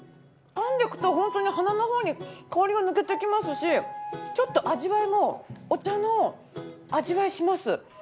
噛んでくと本当に鼻の方に香りが抜けてきますしちょっと味わいもお茶の味わいします。